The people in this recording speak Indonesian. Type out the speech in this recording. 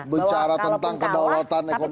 bicara tentang kedaulatan ekonomi